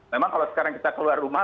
memang kalau sekarang kita keluar rumah